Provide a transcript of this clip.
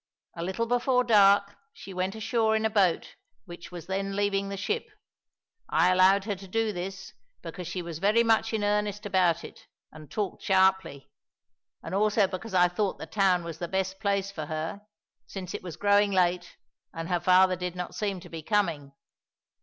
A little before dark she went ashore in a boat which was then leaving the ship. I allowed her to do this because she was very much in earnest about it, and talked sharply, and also because I thought the town was the best place for her, since it was growing late and her father did not seem to be coming.